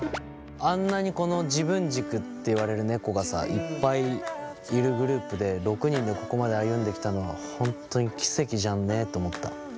あんなに自分軸っていわれる猫がさいっぱいいるグループで６人でここまで歩んできたのはほんとに奇跡じゃんねと思った。